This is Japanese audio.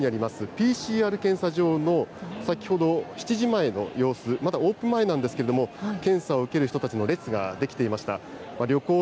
ＰＣＲ検査場の先ほど７時前の様子、まだオープン前なんですけれども、検査を受ける人たちの列が出来ていました。